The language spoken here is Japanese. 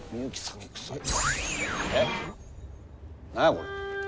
何やこれ？